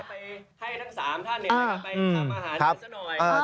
เด็ดให้ทั้ง๓ท่าน๑ไปนำอาหารเล็กหน่อย